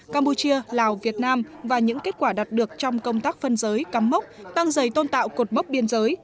campuchia lào việt nam và những kết quả đạt được trong công tác phân giới cắm mốc tăng dày tôn tạo cột mốc biên giới